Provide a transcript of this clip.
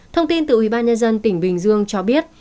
thông tin từ ubnd tỉnh bình dương cho biết